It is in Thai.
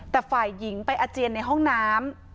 แต่ฝ่ายหญิงไปอาเจียนในห้องน้ำ